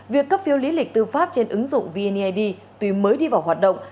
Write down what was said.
việc cấp phiếu lý lịch tư pháp trên ứng dụng vniid tùy mới đi vào hoạt động